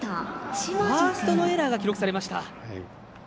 ファーストのエラーが記録されました。